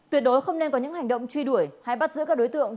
tuyệt đối không nên có những hành động truy đuổi hay bắt giữ các đối tượng